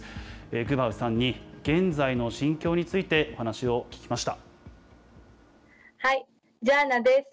グバウさんに現在の心境についてお話を聞きました。